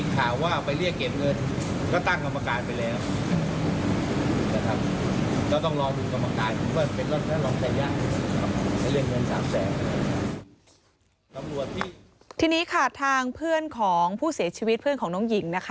ทีนี้ค่ะทางเพื่อนของผู้เสียชีวิตเพื่อนของน้องหญิงนะคะ